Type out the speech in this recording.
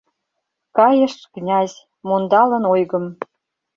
Кайыш князь, мондалын ойгым